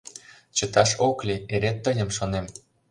Чыташ ок лий, эре тыйым шонем.